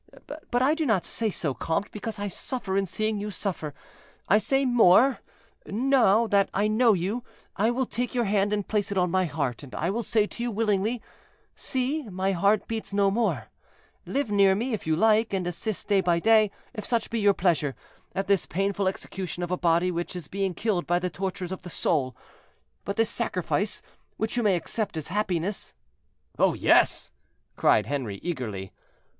But I do not say so, comte, because I suffer in seeing you suffer. I say more; now that I know you, I will take your hand and place it on my heart, and I will say to you willingly, 'See, my heart beats no more; live near me, if you like, and assist day by day, if such be your pleasure, at this painful execution of a body which is being killed by the tortures of the soul;' but this sacrifice, which you may accept as happiness—" "Oh, yes!" cried Henri, eagerly.